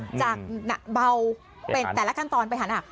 จากเบาเป็นแต่ละขั้นตอนไปหัน